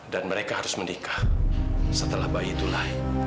dan mereka harus menikah setelah bayi itu lahir